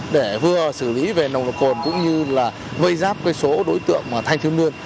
để vừa xử lý về nồng vật cồn cũng như là vây giáp số đối tượng thanh thương đơn